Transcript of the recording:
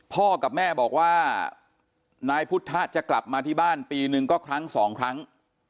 พ่อกับแม่บอกว่านายพุทธจะกลับมาที่บ้านปีหนึ่งก็ครั้งสองครั้ง